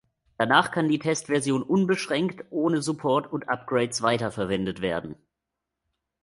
Danach kann die Testversion unbeschränkt ohne Support und Upgrades weiter verwendet werden.